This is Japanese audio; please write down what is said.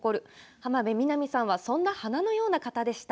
浜辺美波さんはそんな花のような方でした。